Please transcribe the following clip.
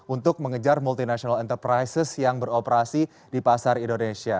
untuk mengejar multinational enterprises yang beroperasi di pasar indonesia